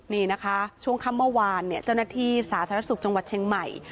นี่นะคะช่วงค่ำเมื่อวานเนี่ยเจ้าหน้าที่สาธารณสุขจังหวัดเชียงใหม่